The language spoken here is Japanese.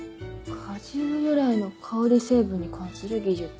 「果汁由来の香り成分に関する技術」。